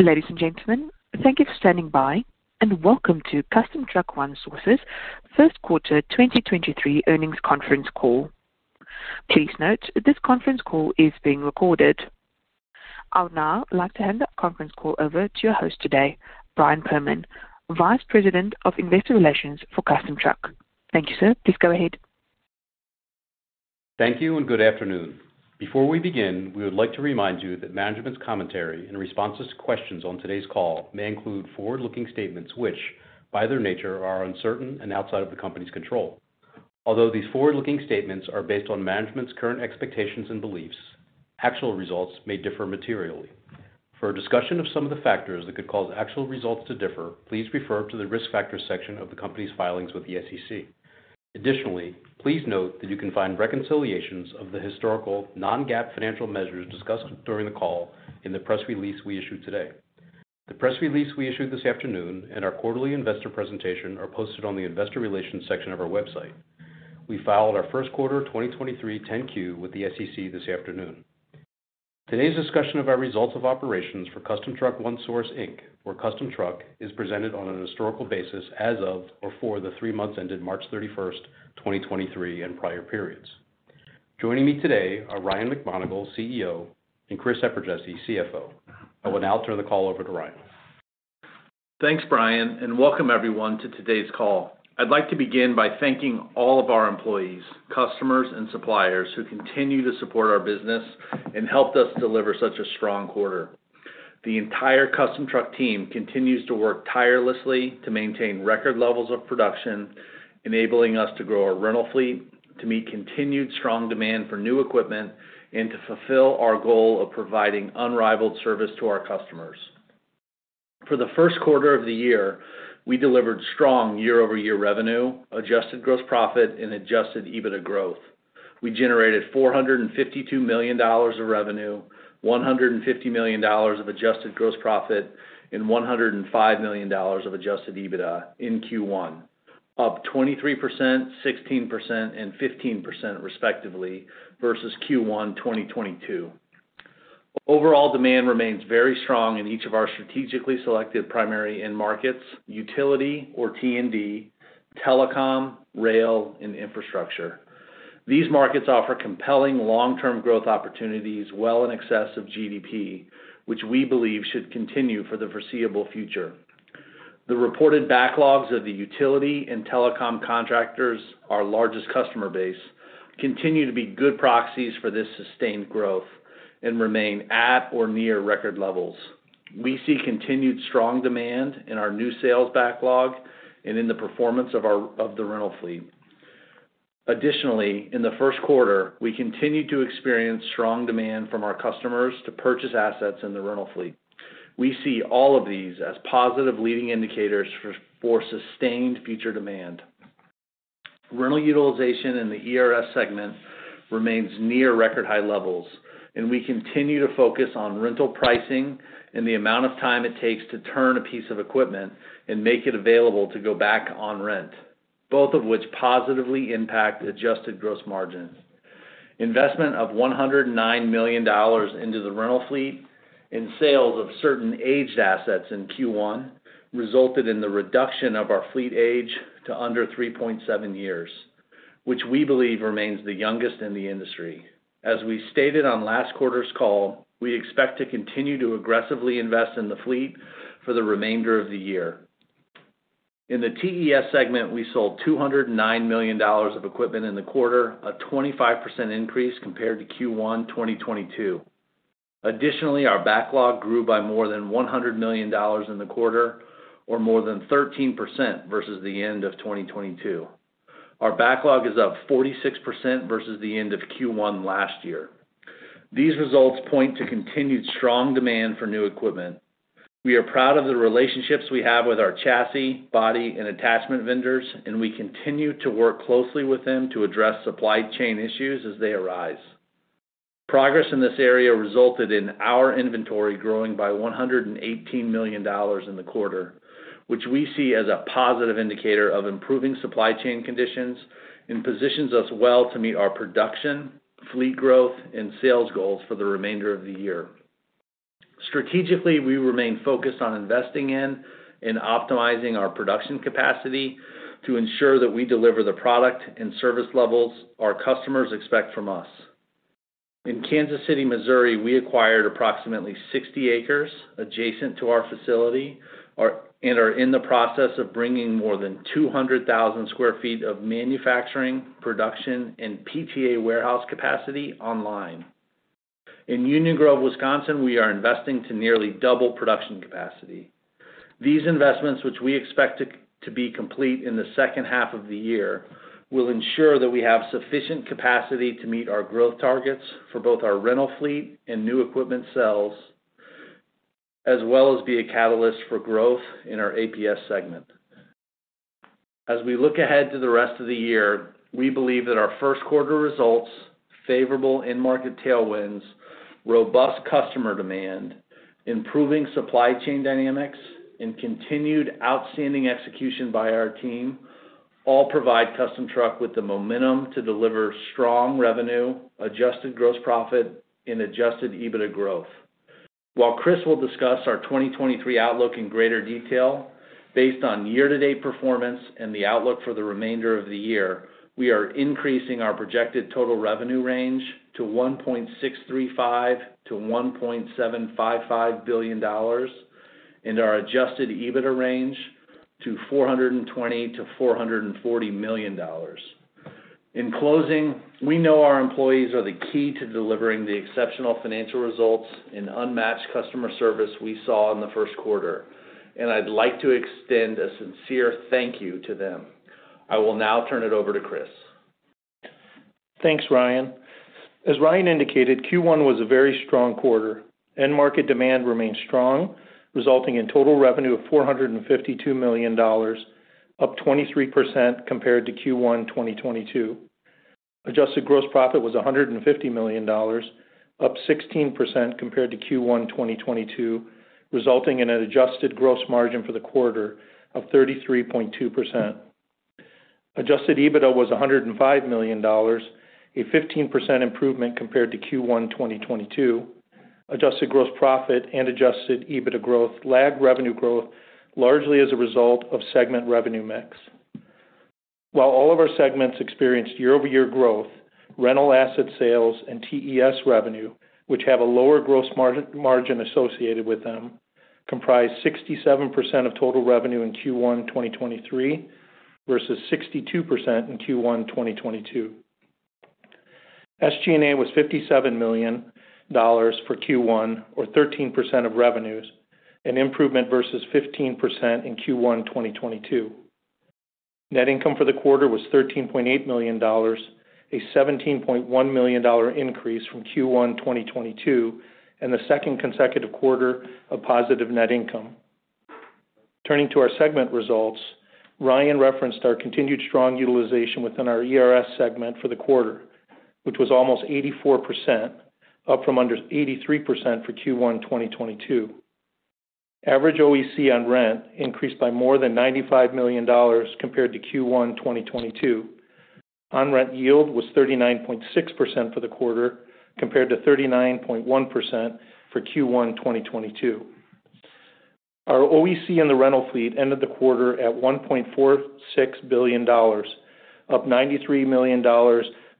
Ladies and gentlemen, thank you for standing by, and welcome to Custom Truck One Source's first quarter 2023 earnings conference call. Please note, this conference call is being recorded. I would now like to hand the conference call over to your host today, Brian Perman, Vice President of Investor Relations for Custom Truck. Thank you, sir. Please go ahead. Thank you and good afternoon. Before we begin, we would like to remind you that management's commentary and responses to questions on today's call may include forward-looking statements which, by their nature, are uncertain and outside of the company's control. Although these forward-looking statements are based on management's current expectations and beliefs, actual results may differ materially. For a discussion of some of the factors that could cause actual results to differ, please refer to the Risk Factors section of the company's filings with the SEC. Additionally, please note that you can find reconciliations of the historical non-GAAP financial measures discussed during the call in the press release we issued today. The press release we issued this afternoon and our quarterly investor presentation are posted on the Investor Relations section of our website. We filed our first quarter 2023 10-Q with the SEC this afternoon. Today's discussion of our results of operations for Custom Truck One Source, Inc., or Custom Truck, is presented on an historical basis as of or for the three months ended March thirty-first, twenty twenty-three, and prior periods. Joining me today are Ryan McMonagle, CEO, and Chris Eperjesy, CFO. I will now turn the call over to Ryan. Thanks, Brian, and welcome everyone to today's call. I'd like to begin by thanking all of our employees, customers, and suppliers who continue to support our business and helped us deliver such a strong quarter. The entire Custom Truck team continues to work tirelessly to maintain record levels of production, enabling us to grow our rental fleet, to meet continued strong demand for new equipment, and to fulfill our goal of providing unrivaled service to our customers. For the first quarter of the year, we delivered strong year-over-year revenue, Adjusted Gross Profit, and adjusted EBITDA growth. We generated $452 million of revenue, $150 million of Adjusted Gross Profit, and $105 million of adjusted EBITDA in Q1. Up 23%, 16%, and 15% respectively versus Q1 2022. Overall demand remains very strong in each of our strategically selected primary end markets, utility or T&D, telecom, rail, and infrastructure. These markets offer compelling long-term growth opportunities well in excess of GDP, which we believe should continue for the foreseeable future. The reported backlogs of the utility and telecom contractors, our largest customer base, continue to be good proxies for this sustained growth and remain at or near record levels. We see continued strong demand in our new sales backlog and in the performance of our, of the rental fleet. Additionally, in the first quarter, we continued to experience strong demand from our customers to purchase assets in the rental fleet. We see all of these as positive leading indicators for sustained future demand. Rental utilization in the ERS segment remains near record high levels, and we continue to focus on rental pricing and the amount of time it takes to turn a piece of equipment and make it available to go back on rent, both of which positively impact adjusted gross margins. Investment of $109 million into the rental fleet and sales of certain aged assets in Q1 resulted in the reduction of our fleet age to under 3.7 years, which we believe remains the youngest in the industry. As we stated on last quarter's call, we expect to continue to aggressively invest in the fleet for the remainder of the year. In the TES segment, we sold $209 million of equipment in the quarter, a 25% increase compared to Q1 2022. Our backlog grew by more than $100 million in the quarter or more than 13% versus the end of 2022. Our backlog is up 46% versus the end of Q1 last year. These results point to continued strong demand for new equipment. We are proud of the relationships we have with our chassis, body, and attachment vendors. We continue to work closely with them to address supply chain issues as they arise. Progress in this area resulted in our inventory growing by $118 million in the quarter, which we see as a positive indicator of improving supply chain conditions and positions us well to meet our production, fleet growth, and sales goals for the remainder of the year. Strategically, we remain focused on investing in and optimizing our production capacity to ensure that we deliver the product and service levels our customers expect from us. In Kansas City, Missouri, we acquired approximately 60 acres adjacent to our facility and are in the process of bringing more than 200,000 sq ft of manufacturing, production, and PTA warehouse capacity online. In Union Grove, Wisconsin, we are investing to nearly double production capacity. These investments, which we expect to be complete in the second half of the year, will ensure that we have sufficient capacity to meet our growth targets for both our rental fleet and new equipment sales, as well as be a catalyst for growth in our APS segment. As we look ahead to the rest of the year, we believe that our first quarter results, favorable end market tailwinds, robust customer demand, improving supply chain dynamics, and continued outstanding execution by our team all provide Custom Truck with the momentum to deliver strong revenue, adjusted gross profit and adjusted EBITDA growth. While Chris will discuss our 2023 outlook in greater detail, based on year-to-date performance and the outlook for the remainder of the year, we are increasing our projected total revenue range to $1.635 billion-$1.755 billion and our adjusted EBITDA range to $420 million-$440 million. In closing, we know our employees are the key to delivering the exceptional financial results and unmatched customer service we saw in the first quarter, and I'd like to extend a sincere thank you to them. I will now turn it over to Chris. Thanks, Ryan. As Ryan indicated, Q1 was a very strong quarter. End market demand remained strong, resulting in total revenue of $452 million, up 23% compared to Q1 2022. Adjusted Gross Profit was $150 million, up 16% compared to Q1 2022, resulting in an Adjusted Gross Margin for the quarter of 33.2%. Adjusted EBITDA was $105 million, a 15% improvement compared to Q1 2022. Adjusted Gross Profit and Adjusted EBITDA growth lagged revenue growth largely as a result of segment revenue mix. While all of our segments experienced year-over-year growth, rental asset sales and TES revenue, which have a lower gross margin associated with them, comprised 67% of total revenue in Q1 2023 versus 62% in Q1 2022. SG&A was $57 million for Q1 or 13% of revenues, an improvement versus 15% in Q1 2022. Net income for the quarter was $13.8 million, a $17.1 million increase from Q1 2022 and the second consecutive quarter of positive net income. Turning to our segment results, Ryan referenced our continued strong utilization within our ERS segment for the quarter, which was almost 84%, up from under 83% for Q1 2022. Average OEC on rent increased by more than $95 million compared to Q1 2022. On-rent yield was 39.6% for the quarter compared to 39.1% for Q1 2022. Our OEC in the rental fleet ended the quarter at $1.46 billion, up $93 million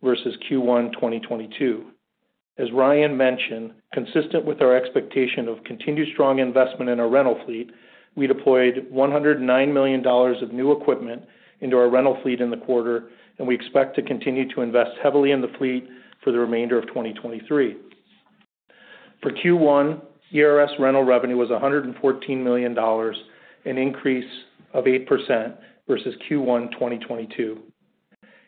versus Q1 2022. As Ryan mentioned, consistent with our expectation of continued strong investment in our rental fleet, we deployed $109 million of new equipment into our rental fleet in the quarter, and we expect to continue to invest heavily in the fleet for the remainder of 2023. For Q1, ERS rental revenue was $114 million, an increase of 8% versus Q1 2022.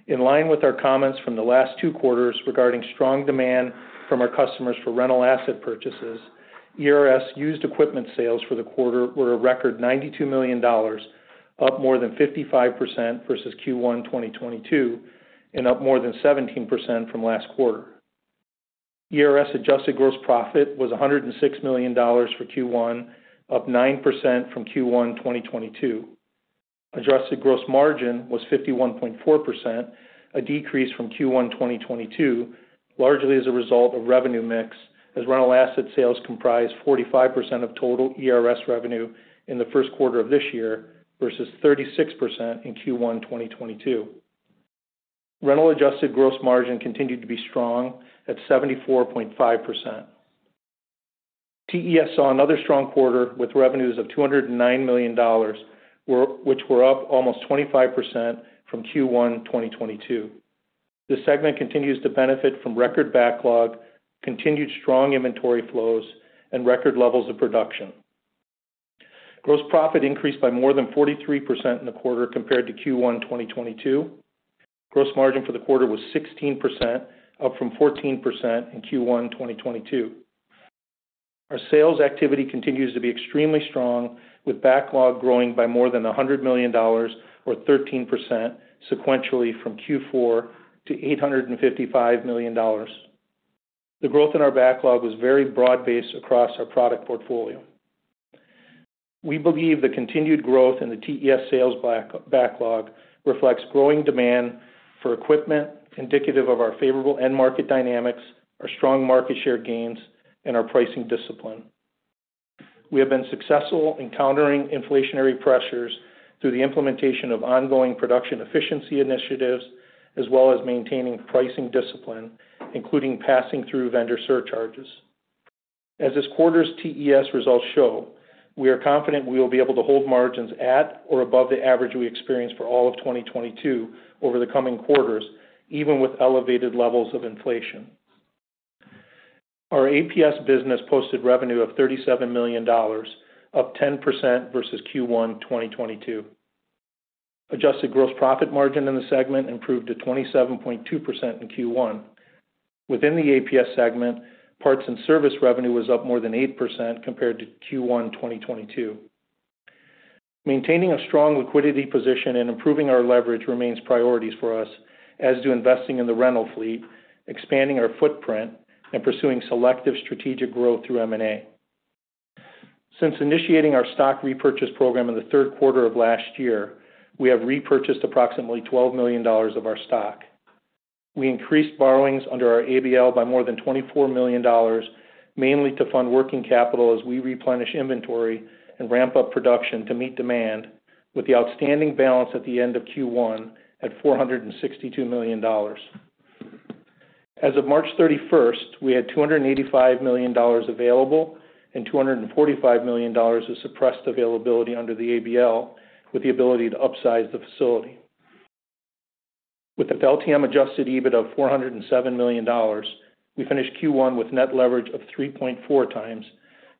In line with our comments from the last two quarters regarding strong demand from our customers for rental asset purchases, ERS used equipment sales for the quarter were a record $92 million, up more than 55% versus Q1 2022 and up more than 17% from last quarter. ERS Adjusted Gross Profit was $106 million for Q1, up 9% from Q1 2022. Adjusted Gross Profit was 51.4%, a decrease from Q1 2022, largely as a result of revenue mix, as rental asset sales comprised 45% of total ERS revenue in the first quarter of this year versus 36% in Q1 2022. Rental adjusted gross margin continued to be strong at 74.5%. TES saw another strong quarter with revenues of $209 million, which were up almost 25% from Q1 2022. This segment continues to benefit from record backlog, continued strong inventory flows, and record levels of production. Gross profit increased by more than 43% in the quarter compared to Q1 2022. Gross margin for the quarter was 16%, up from 14% in Q1 2022. Our sales activity continues to be extremely strong, with backlog growing by more than $100 million or 13% sequentially from Q4 to $855 million. The growth in our backlog was very broad-based across our product portfolio. We believe the continued growth in the TES sales backlog reflects growing demand for equipment indicative of our favorable end market dynamics, our strong market share gains, and our pricing discipline. We have been successful in countering inflationary pressures through the implementation of ongoing production efficiency initiatives, as well as maintaining pricing discipline, including passing through vendor surcharges. As this quarter's TES results show, we are confident we will be able to hold margins at or above the average we experienced for all of 2022 over the coming quarters, even with elevated levels of inflation. Our APS business posted revenue of $37 million, up 10% versus Q1 2022. Adjusted Gross Profit Margin in the segment improved to 27.2% in Q1. Within the APS segment, parts and service revenue was up more than 8% compared to Q1 2022. Maintaining a strong liquidity position and improving our leverage remains priorities for us, as do investing in the rental fleet, expanding our footprint, and pursuing selective strategic growth through M&A. Since initiating our stock repurchase program in the third quarter of last year, we have repurchased approximately $12 million of our stock. We increased borrowings under our ABL by more than $24 million, mainly to fund working capital as we replenish inventory and ramp up production to meet demand with the outstanding balance at the end of Q1 at $462 million. As of March 31st, we had $285 million available and $245 million of suppressed availability under the ABL, with the ability to upsize the facility. With the LTM adjusted EBIT of $407 million, we finished Q1 with net leverage of 3.4 times,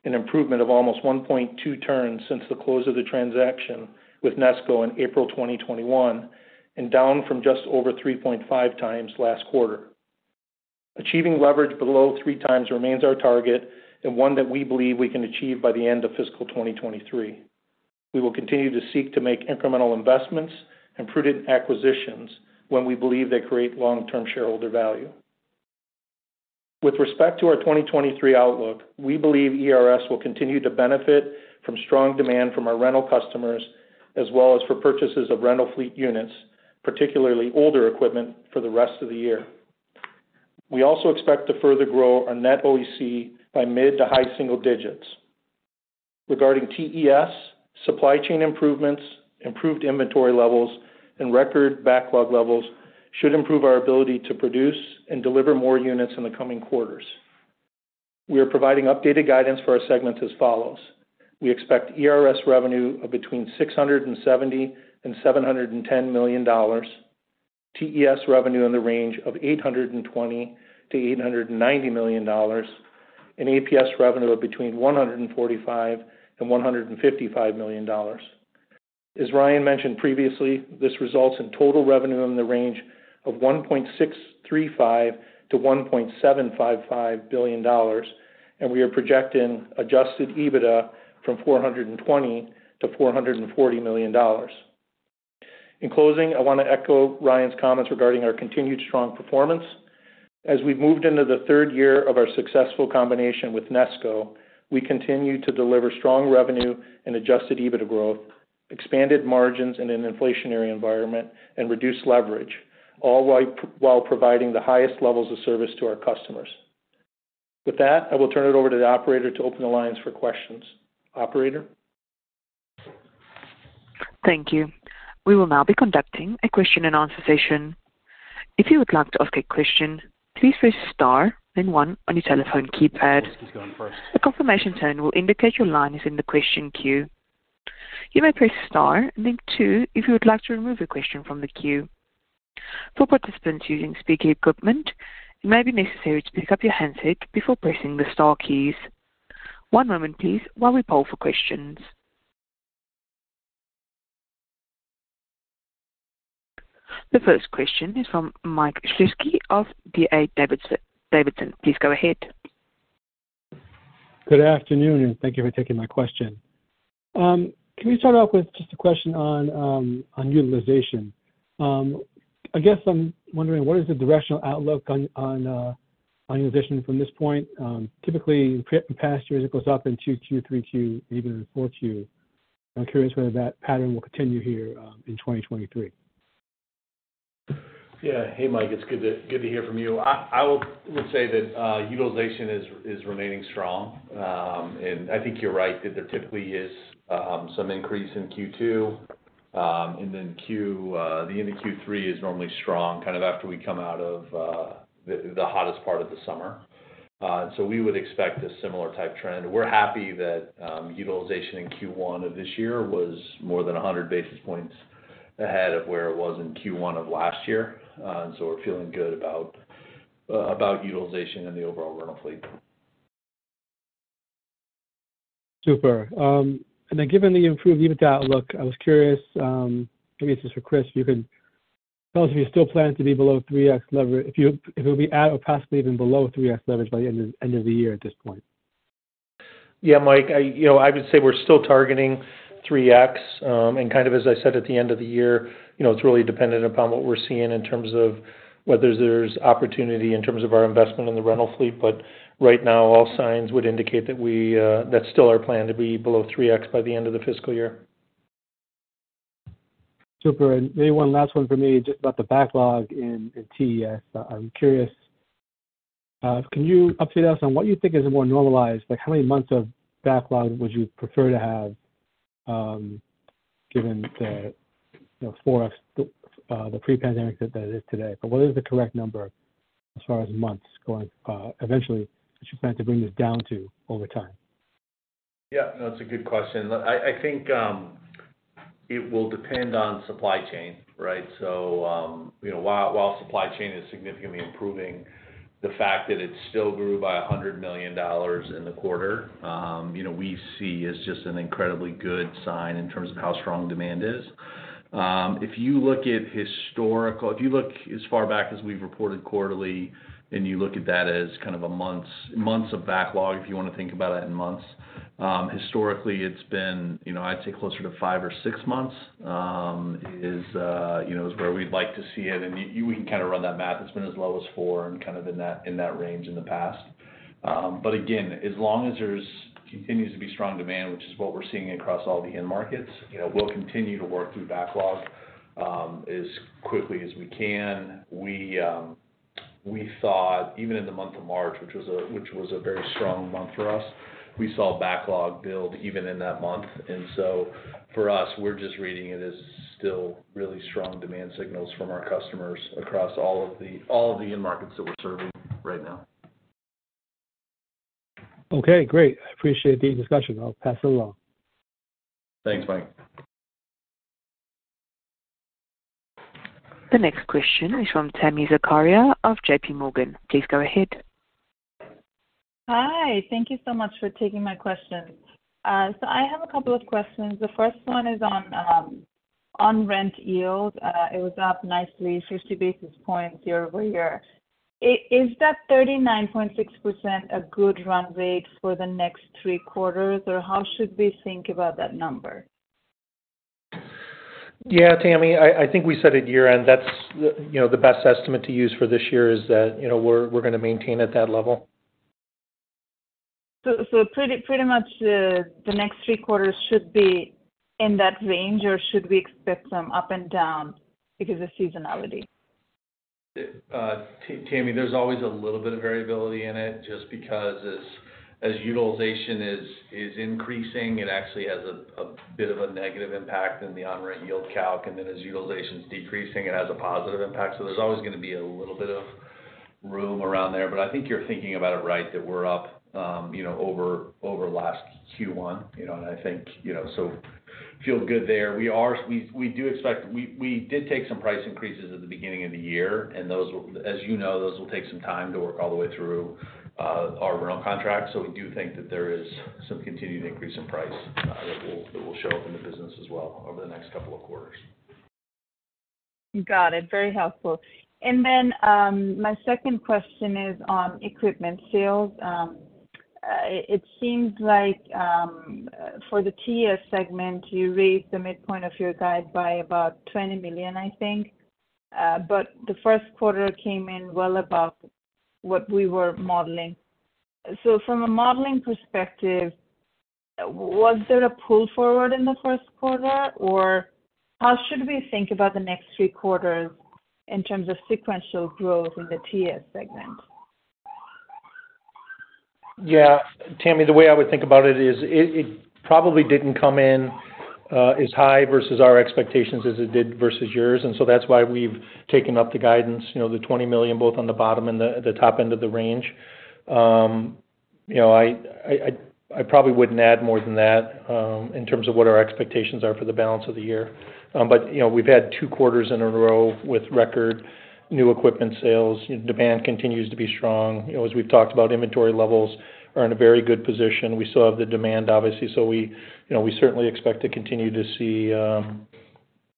an improvement of almost 1.2 turns since the close of the transaction with Nesco in April 2021, and down from just over 3.5 times last quarter. Achieving leverage below 3 times remains our target and one that we believe we can achieve by the end of fiscal 2023. We will continue to seek to make incremental investments and prudent acquisitions when we believe they create long-term shareholder value. With respect to our 2023 outlook, we believe ERS will continue to benefit from strong demand from our rental customers as well as for purchases of rental fleet units, particularly older equipment for the rest of the year. We also expect to further grow our net OEC by mid to high single digits. Regarding TES, supply chain improvements, improved inventory levels, and record backlog levels should improve our ability to produce and deliver more units in the coming quarters. We are providing updated guidance for our segments as follows. We expect ERS revenue of between $670 million and $710 million, TES revenue in the range of $820 million-$890 million, and APS revenue of between $145 million and $155 million. As Ryan mentioned previously, this results in total revenue in the range of $1.635 billion-$1.755 billion. We are projecting adjusted EBITDA from $420 million-$440 million. In closing, I want to echo Ryan's comments regarding our continued strong performance. As we've moved into the third year of our successful combination with Nesco, we continue to deliver strong revenue and adjusted EBITDA growth, expanded margins in an inflationary environment, and reduced leverage, all while providing the highest levels of service to our customers. With that, I will turn it over to the operator to open the lines for questions. Operator? Thank you. We will now be conducting a question-and-answer session. If you would like to ask a question, please press Star, then one on your telephone keypad. A confirmation tone will indicate your line is in the question queue. You may press Star and then two if you would like to remove your question from the queue. For participants using speaker equipment, it may be necessary to pick up your handset before pressing the star keys. One moment please while we poll for questions. The first question is from Michael Shlisky of D.A. Davidson. Please go ahead. Good afternoon, thank you for taking my question. Can we start off with just a question on utilization? I guess I'm wondering what is the directional outlook on utilization from this point? Typically in past years, it goes up in 2Q, 3Q, even in 4Q. I'm curious whether that pattern will continue here in 2023. Hey, Mike. It's good to hear from you. I would say that utilization is remaining strong. I think you're right that there typically is some increase in Q2, and then the end of Q3 is normally strong, kind of after we come out of the hottest part of the summer. We would expect a similar type trend. We're happy that utilization in Q1 of this year was more than 100 basis points ahead of where it was in Q1 of last year. We're feeling good about utilization in the overall rental fleet. Super. Given the improved unit outlook, I was curious, maybe this is for Chris. You can tell us if you still plan to be below 3x leverage if it'll be at or possibly even below 3x leverage by the end of the year at this point? Yeah, Mike, I, you know, I would say we're still targeting 3x. Kind of as I said, at the end of the year, you know, it's really dependent upon what we're seeing in terms of whether there's opportunity in terms of our investment in the rental fleet. Right now, all signs would indicate that we, that's still our plan to be below 3x by the end of the fiscal year. Super. Maybe one last one for me, just about the backlog in TES. I'm curious, can you update us on what you think is a more normalized, like how many months of backlog would you prefer to have, given the, you know, the pre-pandemic that that is today? What is the correct number as far as months going, eventually that you plan to bring this down to over time? Yeah, that's a good question. I think it will depend on supply chain, right? You know, while supply chain is significantly improving, the fact that it still grew by $100 million in the quarter, you know, we see as just an incredibly good sign in terms of how strong demand is. If you look as far back as we've reported quarterly, and you look at that as kind of a months of backlog, if you want to think about it in months, historically it's been, you know, I'd say closer to five or six months, you know, is where we'd like to see it. You can kind of run that math. It's been as low as four and kind of in that range in the past. Again, as long as there's continues to be strong demand, which is what we're seeing across all the end markets, you know, we'll continue to work through backlog, as quickly as we can. We saw even in the month of March, which was a very strong month for us, we saw backlog build even in that month. For us, we're just reading it as still really strong demand signals from our customers across all of the end markets that we're serving right now. Okay, great. I appreciate the discussion. I'll pass it along. Thanks, Mike. The next question is from Tami Zakaria of JP Morgan. Please go ahead. Hi. Thank you so much for taking my questions. I have a couple of questions. The first one is on on-rent yield. It was up nicely 50 basis points year-over-year. Is that 39.6% a good run rate for the next three quarters, or how should we think about that number? Yeah, Tami, I think we said at year-end, that's, you know, the best estimate to use for this year is that, you know, we're gonna maintain at that level. pretty much the next 3 quarters should be in that range, or should we expect some up and down because of seasonality? Tami, there's always a little bit of variability in it just because as utilization is increasing, it actually has a bit of a negative impact in the on-rent yield calc. As utilization's decreasing, it has a positive impact. There's always gonna be a little bit of room around there, but I think you're thinking about it right, that we're up, you know, over last Q1, you know, I think, you know, feel good there. We do expect we did take some price increases at the beginning of the year, those will, as you know, those will take some time to work all the way through our rental contracts. We do think that there is some continued increase in price, that will show up in the business as well over the next couple of quarters. Got it. Very helpful. My second question is on equipment sales. It seems like for the TS segment, you raised the midpoint of your guide by about $20 million, I think. The 1st quarter came in well above what we were modeling. From a modeling perspective, was there a pull forward in the 1st quarter, or how should we think about the next 3 quarters in terms of sequential growth in the TS segment? Yeah. Tami, the way I would think about it is it probably didn't come in as high versus our expectations as it did versus yours. That's why we've taken up the guidance, you know, the $20 million, both on the bottom and the top end of the range. You know, I probably wouldn't add more than that in terms of what our expectations are for the balance of the year. But, you know, we've had two quarters in a row with record new equipment sales. Demand continues to be strong. You know, as we've talked about, inventory levels are in a very good position. We still have the demand, obviously. We, you know, we certainly expect to continue to see,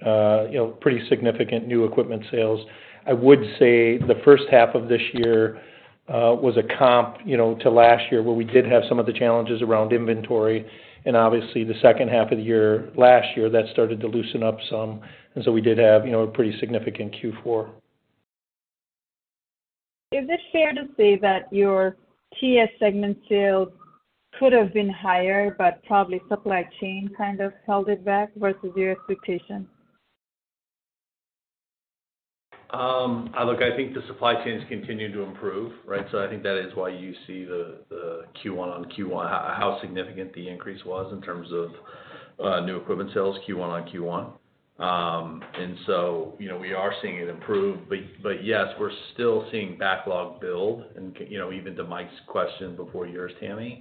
you know, pretty significant new equipment sales. I would say the first half of this year, was a comp, you know, to last year, where we did have some of the challenges around inventory. Obviously, the second half of the year, last year, that started to loosen up some. We did have, you know, a pretty significant Q4. Is it fair to say that your TS segment sales could have been higher, but probably supply chain kind of held it back versus your expectations? Look, I think the supply chains continue to improve, right? I think that is why you see the Q1 on Q1, how significant the increase was in terms of new equipment sales, Q1 on Q1. You know, we are seeing it improve. Yes, we're still seeing backlog build. You know, even to Mike's question before yours, Tami,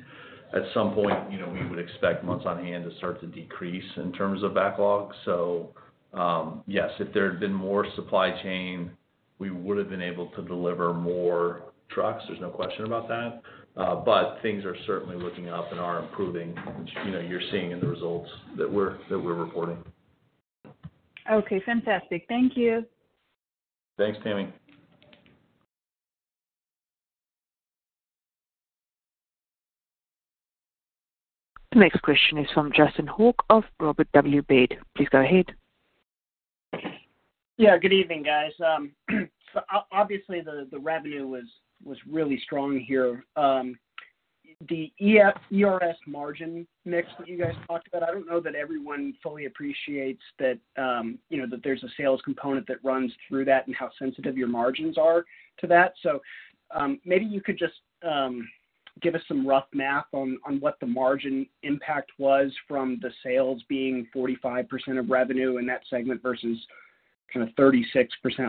at some point, you know, we would expect months on hand to start to decrease in terms of backlog. Yes, if there had been more supply chain, we would've been able to deliver more trucks. There's no question about that. Things are certainly looking up and are improving, which, you know, you're seeing in the results that we're reporting. Okay, fantastic. Thank you. Thanks, Tami. The next question is from Justin Hauke of Robert W. Baird. Please go ahead. Yeah, good evening, guys. Obviously, the revenue was really strong here. The ERS margin mix that you guys talked about, I don't know that everyone fully appreciates that, you know, that there's a sales component that runs through that and how sensitive your margins are to that. Maybe you could just give us some rough math on what the margin impact was from the sales being 45% of revenue in that segment versus kind of 36%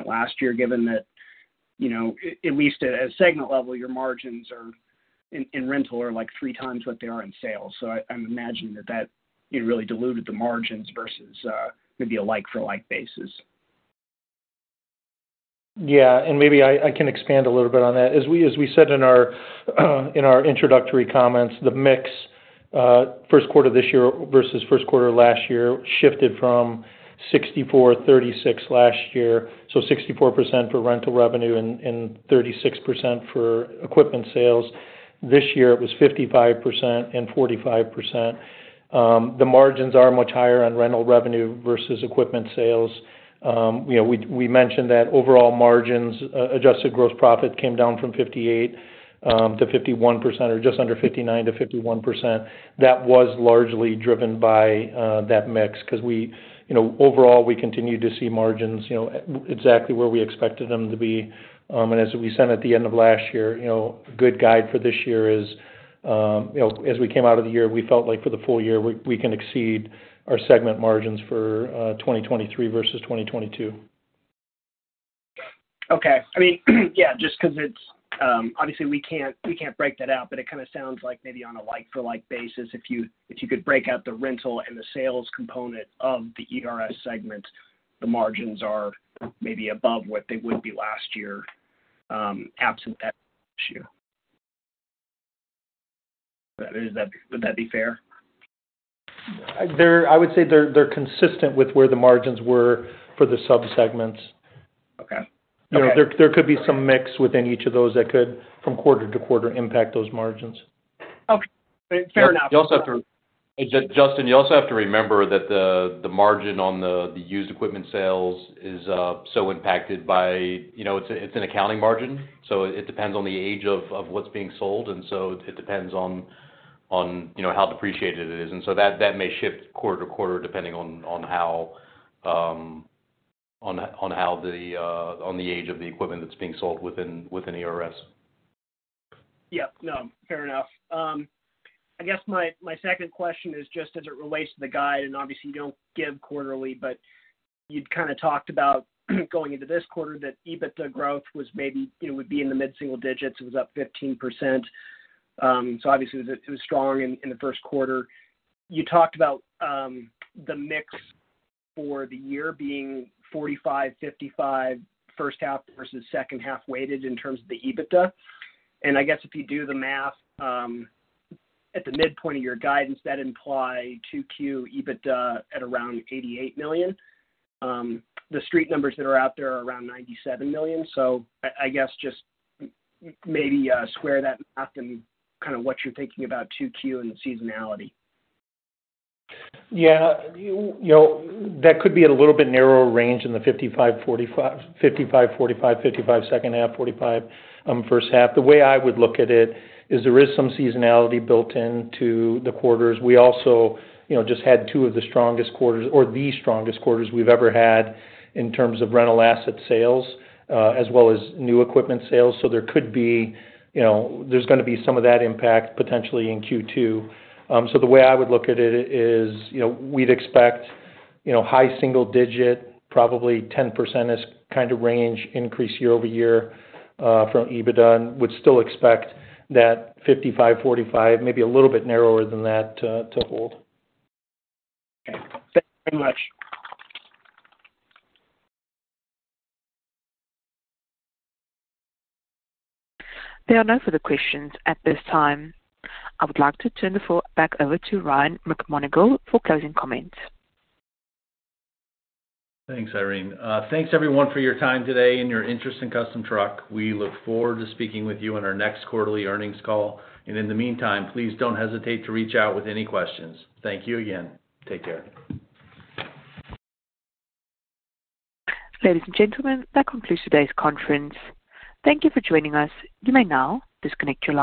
last year, given that, you know, at least at a segment level, your margins are in rental are like 3 times what they are in sales. I'm imagining that, you know, really diluted the margins versus maybe a like-for-like basis. Maybe I can expand a little bit on that. As we said in our introductory comments, the mix, first quarter this year versus first quarter last year shifted from 64, 36 last year, so 64% for rental revenue and 36% for equipment sales. This year, it was 55% and 45%. The margins are much higher on rental revenue versus equipment sales. You know, we mentioned that overall margins, Adjusted Gross Profit came down from 58 to 51% or just under 59 to 51%. That was largely driven by that mix 'cause we, you know, overall, we continue to see margins, you know, exactly where we expected them to be. As we said at the end of last year, you know, good guide for this year is, you know, as we came out of the year, we felt like for the full year we can exceed our segment margins for 2023 versus 2022. Okay. I mean, yeah, just 'cause it's, obviously we can't break that out, but it kinda sounds like maybe on a like-for-like basis, if you could break out the rental and the sales component of the ERS segment, the margins are maybe above what they would be last year, absent that issue. Would that be fair? I would say they're consistent with where the margins were for the sub-segments. Okay. Okay. You know, there could be some mix within each of those that could from quarter to quarter impact those margins. Okay. Fair enough. Justin, you also have to remember that the margin on the used equipment sales is so impacted by, you know, it's an accounting margin, so it depends on the age of what's being sold. It depends on, you know, how depreciated it is. That may shift quarter to quarter depending on the age of the equipment that's being sold within ERS. Yeah. No, fair enough. I guess my second question is just as it relates to the guide, and obviously you don't give quarterly, but you'd kinda talked about going into this quarter that EBITDA growth was maybe, you know, would be in the mid-single digits. It was up 15%. Obviously it was strong in the first quarter. You talked about the mix for the year being 45, 55 first half versus second half weighted in terms of the EBITDA. I guess if you do the math, at the midpoint of your guidance, that'd imply 2Q EBITDA at around $88 million. The street numbers that are out there are around $97 million. I guess just maybe square that math and kind of what you're thinking about 2Q and the seasonality? Yeah. You know, that could be a little bit narrower range in the 55, 45, 55, 45, 55 second half, 45, first half. The way I would look at it is there is some seasonality built into the quarters. We also, you know, just had 2 of the strongest quarters we've ever had in terms of rental asset sales, as well as new equipment sales. There could be, you know, there's gonna be some of that impact potentially in Q2. The way I would look at it is, you know, we'd expect, you know, high single digit, probably 10%-ish kind of range increase year-over-year, from EBITDA, and would still expect that 55, 45, maybe a little bit narrower than that to hold. Okay. Thanks very much. There are no further questions at this time. I would like to turn the floor back over to Ryan McMonagle for closing comments. Thanks, Irene. Thanks everyone for your time today and your interest in Custom Truck. We look forward to speaking with you on our next quarterly earnings call. In the meantime, please don't hesitate to reach out with any questions. Thank you again. Take care. Ladies and gentlemen, that concludes today's conference. Thank you for joining us. You may now disconnect your lines.